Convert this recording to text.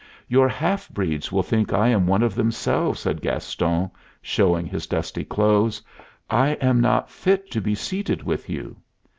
"Your half breeds will think I am one of themselves," said Gaston, showing his dusty clothes. "I am not fit to be seated with you."